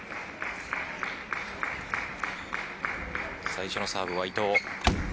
最初のサーブは伊藤。